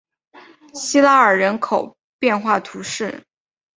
西拉尔人口变化图示